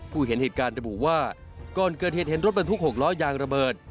เห็นเหตุการณ์ระบุว่าก่อนเกิดเหตุเห็นรถบรรทุก๖ล้อยางระเบิด